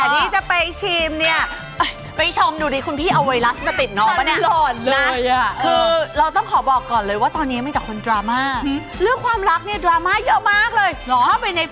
นี่บทกรีมเนี่ยเพื่อนไปชมดูดีคุณพี่เอาไวรัสมาติดนอกเพื่อนไปชมดูดีคุณพี่เอาไวรัสมาติดนอก